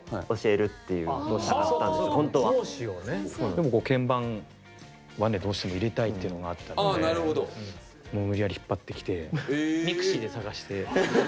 でも鍵盤はねどうしても入れたいっていうのがあったのでもう無理やり引っ張ってきてえｍｉｘｉで。